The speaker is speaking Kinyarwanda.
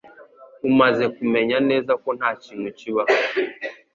Umaze kumenya neza ko ntakintu kibaho